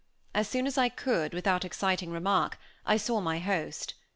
As soon as I could, without exciting remark, I saw my host.